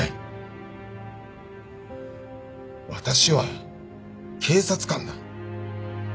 私は警察官だ。